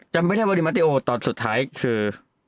จำเป็นทำไว้ดีมัติโอตอนสุดท้ายคือ